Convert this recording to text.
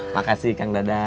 makasih kang dadang